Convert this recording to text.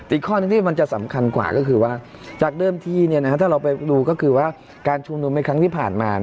อีกข้อหนึ่งที่มันจะสำคัญกว่าก็คือว่าจากเดิมที่ถ้าเราไปดูก็คือว่าการชุมนุมในครั้งที่ผ่านมา